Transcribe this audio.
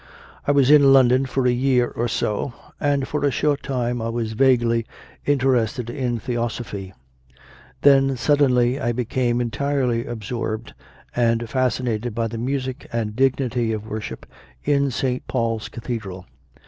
I was in London for a year or so, and for a short time I was vaguely interested by Theosophy; then suddenly I became entirely absorbed and fascinated by the music and dignity of worship in St. Paul s Cathedral.